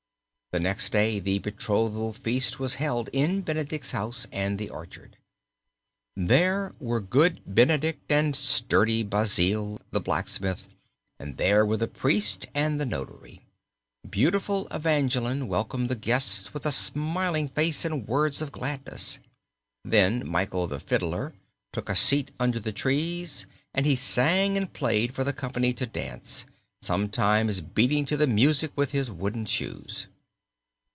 The next day the betrothal feast was held in Benedict's house and the orchard. There were good Benedict and sturdy Basil the blacksmith and there were the priest and the notary. Beautiful Evangeline welcomed the guests with a smiling face and words of gladness. Then Michael the fiddler took a seat under the trees and he sang and played for the company to dance, sometimes beating time to the music with his wooden shoes.